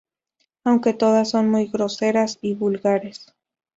Aunque todas son muy groseras y vulgares.